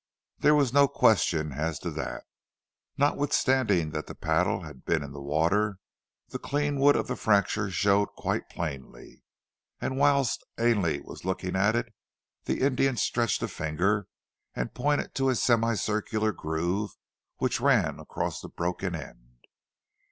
There was no question as to that. Notwithstanding that the paddle had been in the water, the clean wood of the fracture showed quite plainly, and whilst Ainley was looking at it the Indian stretched a finger and pointed to a semi circular groove which ran across the broken end.